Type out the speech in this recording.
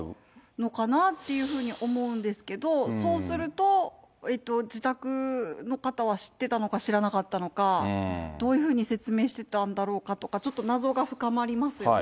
のかなと思うんですけど、そうすると、自宅の方は知ってたのか知らなかったのか、どういうふうに説明してたんだろうかとか、ちょっと謎が深まりますよね。